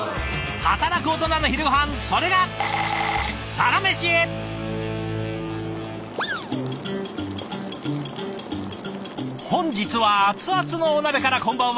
働くオトナの昼ごはんそれが本日は熱々のお鍋からこんばんは。